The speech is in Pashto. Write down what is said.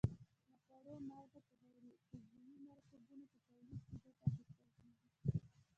د خوړو مالګه په غیر عضوي مرکبونو په تولید کې ګټه اخیستل کیږي.